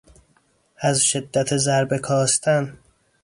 از شدت ضربه کاستن